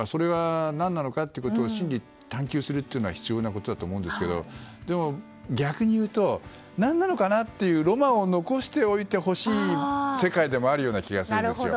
何なのかなということを真理・探究するのは必要なことだと思うんですけどでも、逆にいうと何なのかな？っていうロマンを残しておいてほしい世界でもあるような気がするんですよ。